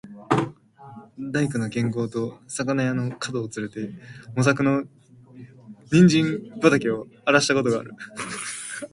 大工の兼公と肴屋の角をつれて、茂作の人参畠をあらした事がある。